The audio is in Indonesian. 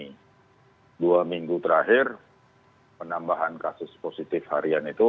jadi dua minggu terakhir penambahan kasus positif harian itu